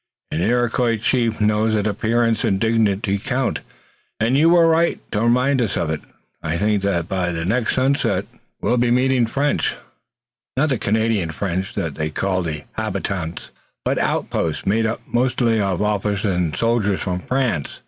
"An Iroquois chief knows that appearance and dignity count, and you were right to remind us of it. I think that by the next sunset we'll be meeting French, not the Canadian French that they call habitants, but outposts made up mostly of officers and soldiers from France.